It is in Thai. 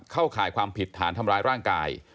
ข่ายความผิดฐานทำร้ายร่างกาย